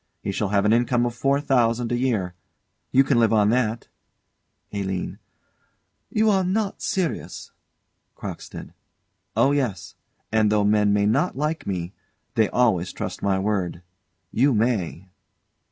He shall have an income of four thousand a year. You can live on that. ALINE. You are not serious? CROCKSTEAD. Oh yes; and though men may not like me, they always trust my word. You may.